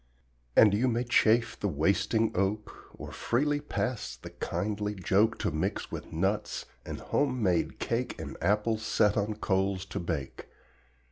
And you may chafe the wasting oak, Or freely pass the kindly joke To mix with nuts and home made cake And apples set on coals to bake.